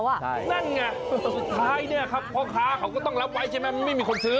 นั่นสุดท้ายพ่อค้าเขาก็ต้องรับไว้ใช่ไหมไม่มีคนซื้อ